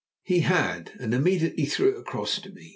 He had, and immediately threw it across to me.